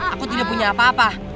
aku tidak punya apa apa